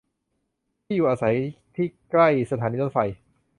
ที่อยู่อาศัยที่ใกล้สถานีรถไฟ